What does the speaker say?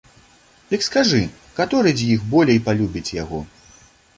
Дык скажы, каторы з іх болей палюбіць яго?